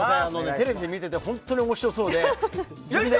テレビ見てて本当に面白そうで。